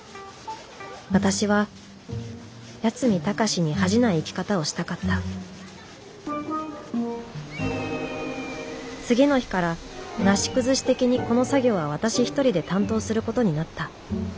私は八海崇に恥じない生き方をしたかった次の日からなし崩し的にこの作業は私一人で担当することになった。